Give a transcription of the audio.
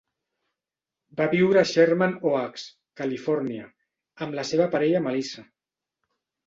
Va viure a Sherman Oaks, Califòrnia, amb la seva parella Melissa.